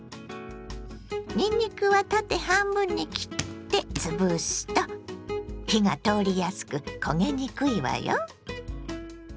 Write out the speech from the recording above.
にんにくは縦半分に切ってつぶすと火が通りやすく焦げにくいわよ。